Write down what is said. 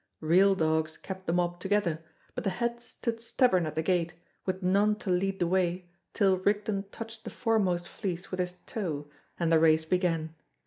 Real dogs kept the mob together, but the head stood stubborn at the gate, with none to lead the way till Rigden touched the foremost fleece with his toe and the race began.